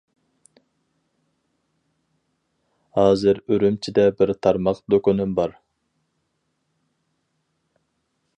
ھازىر ئۈرۈمچىدە بىر تارماق دۇكىنىم بار.